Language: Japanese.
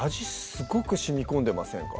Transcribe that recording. すごくしみこんでませんか？